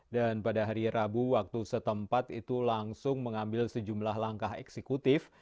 dan pada hari rabu waktu setempat itu langsung mengambil sejumlah langkah eksekutif